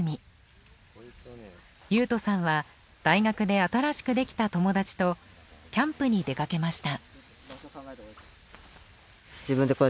由宇人さんは大学で新しくできた友達とキャンプに出かけました。